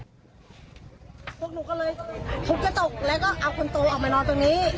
พวกหนูเลยทุกกระจกเอาคุณโตออกมานอนตรงนี้